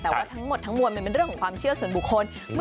แต่ว่าทั้งหมดทั้งมวลมันเป็นเรื่องของความเชื่อส่วนบุคคล